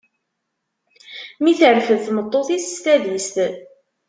Mi terfed tmeṭṭut-is s tadist.